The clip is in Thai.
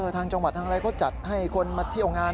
ทางจังหวัดทางอะไรเขาจัดให้คนมาเที่ยวงาน